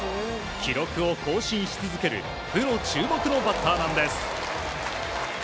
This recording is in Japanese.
記録を更新し続けるプロ注目のバッターなんです。